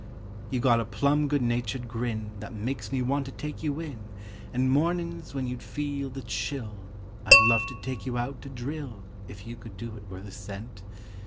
You got a plum good natured grin That makes me want to take you in And mornin's when you'd feel the chill I'd love to take you out to drill If you could do it worth a cent!